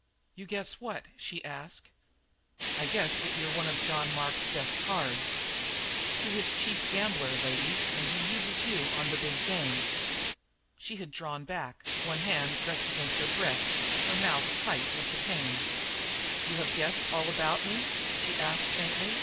"You guess what?" she asked. "I guess that you're one of John Mark's best cards. You're his chief gambler, lady, and he uses you on the big game." She had drawn back, one hand pressed against her breast, her mouth tight with the pain. "You have guessed all that about me?" she asked faintly.